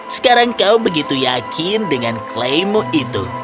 sekarang kau begitu yakin dengan klaimmu itu